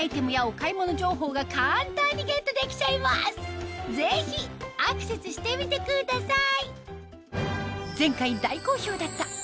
画面右上のぜひアクセスしてみてください